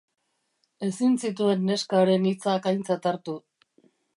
Ezin zituen neska haren hitzak aintzat hartu.